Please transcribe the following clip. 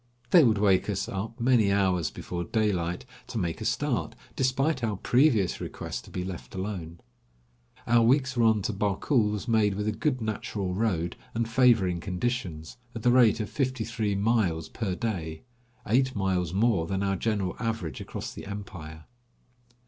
They would wake us up many hours before daylight to make a start, despite our previous request to be left alone. Our week's run to Barkul was made, with a good natural road and favoring conditions, at the rate of fifty three miles per day, eight miles more than our general average across the empire.